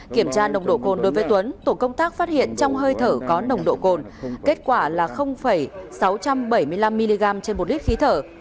kiểm tra nồng độ cồn đối với tuấn tổ công tác phát hiện trong hơi thở có nồng độ cồn kết quả là sáu trăm bảy mươi năm mg trên một lít khí thở